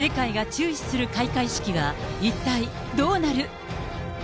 世界が注視する開会式は一体どうなる。